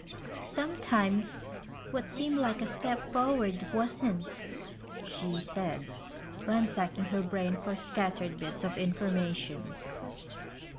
"Sometimes what seemed like a step forward wasn't," she said, ransacking her brain for scattered bits of information.